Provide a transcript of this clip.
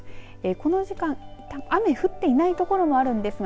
この時間、雨は降っていない所もあるんですが